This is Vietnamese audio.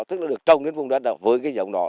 tức là được trồng đến vùng đất đó với dòng đó